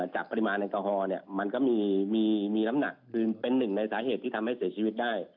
ปริมาณแอลกอฮอล์มันก็มีน้ำหนักคือเป็นหนึ่งในสาเหตุที่ทำให้เสียชีวิตได้